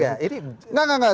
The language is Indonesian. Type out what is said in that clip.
enggak enggak enggak